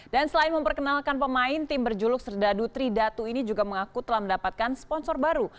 dan selain memperkenalkan pemain tim berjuluk serdadu tridatu ini juga mengaku telah mendapatkan sponsor baru